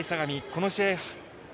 この試合